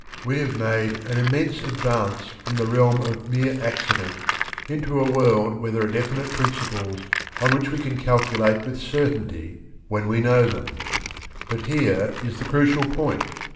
We have made an immense advance from the realm of mere accident into a world where there are definite principles on which we can calculate with certainty when we know them. But here is the crucial point.